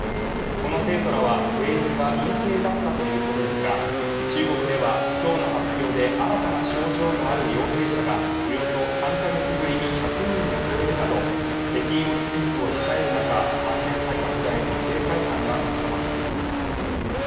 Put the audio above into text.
この生徒らは全員が陰性だったということですが中国では今日の発表で、新たな症状のある陽性者がおよそ３カ月ぶりに１００人を超えるなど北京オリンピックを控える中、感染再拡大への警戒感が高まっています。